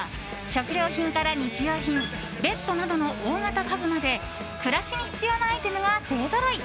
食料品から日用品ベッドなどの大型家具まで暮らしに必要なアイテムが勢ぞろい。